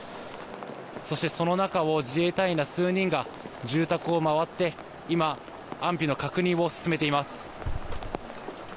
そして、その中を自衛隊員ら数人が住宅を回って今、安否の確認を進めています。